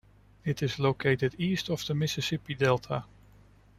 It is located east of the Mississippi Delta.